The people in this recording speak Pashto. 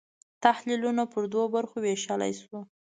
تحلیلونه پر دوو برخو وېشلای شو.